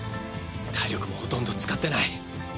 体力もほとんど使ってない。